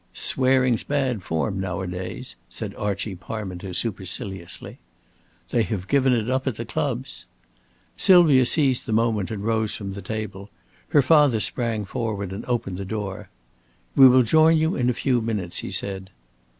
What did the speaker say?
"Swearing's bad form nowadays," said Archie Parminter, superciliously. "They have given it up at the clubs." Sylvia seized the moment and rose from the table. Her father sprang forward and opened the door. "We will join you in a few minutes," he said.